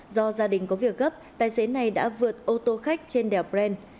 do gia đình có việc gấp tài xế này đã vượt ô tô khách trên đèo brent